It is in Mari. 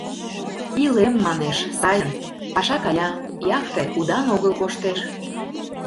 Илем, манеш, сайын, паша кая, яхте удан огыл коштеш.